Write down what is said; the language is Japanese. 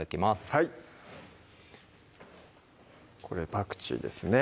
はいこれパクチーですね